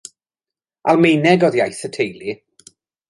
Almaeneg oedd iaith y teulu.